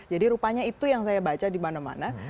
jadi rupanya itu yang saya baca dimana mana